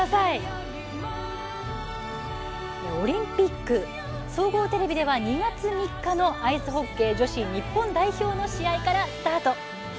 オリンピック総合テレビでは２月３日のアイスホッケー女子日本代表の試合からスタート。